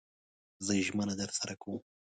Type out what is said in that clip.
زه ژمنه درسره کوم